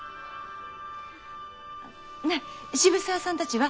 あねぇ渋沢さんたちは？